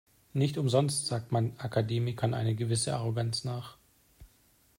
Nicht umsonst sagt man Akademikern eine gewisse Arroganz nach.